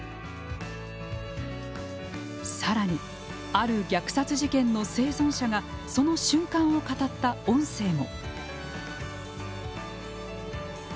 さらに、ある虐殺事件の生存者がその瞬間を語った音声も。